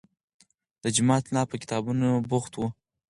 د جومات ملا په کتابونو بوخت و.